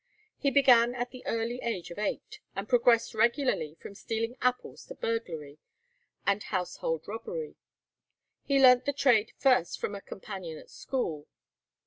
He began at the early age of eight, and progressed regularly from stealing apples to burglary and household robbery. He learnt the trade first from a companion at school.